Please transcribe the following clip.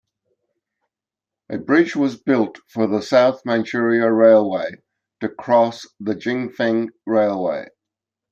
A bridge was built for the South Manchuria Railway to cross the Jingfeng Railway.